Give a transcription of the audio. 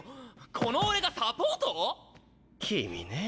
この俺がサポート⁉君ねぇ